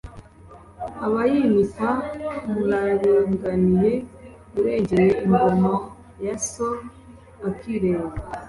Abayimikwa muraringaniye Urengeye ingoma ya so akireba